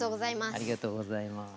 ありがとうございます。